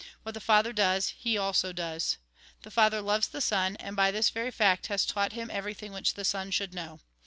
What the Father does, he also does. The Father loves the Son, and by this very fact has taught him everything which the Son should know.